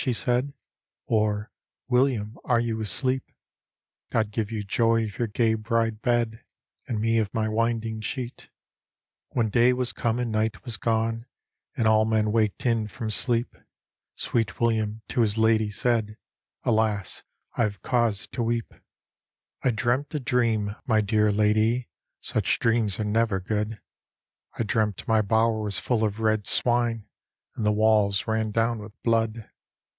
she said, " Or, William, are you asleep? God give you joy of your gay bride bed. And me of my winding sheet." When day was come and night was gone, And all men waked in from sleep, Sweet William to his ladye said, —" Alas I have cause to weep. D,gt,, erihyGOOgle Fair Marj/aret's Misfortunes 22 " I dreamt a dream, my dear ladye, — Such dreams are never good,— I dreamt my bower was full of red swine. And the walls ran down with blood."